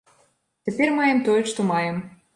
Цяпер маем тое, што маем.